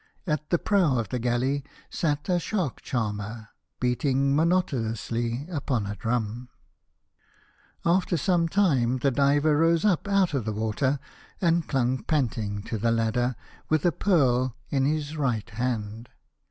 At the prow of the galley sat a shark charmer, beating monotonously upon a drum. The Young King. After some time the diver rose up out of the water, and clung panting to the ladder with a pearl in his right hand.